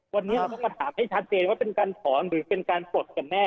วันนี้เราต้องมาถามให้ชัดเจนว่าเป็นการถอนหรือเป็นการปลดกันแน่